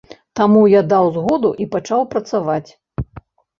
Таму я даў згоду і пачаў працаваць.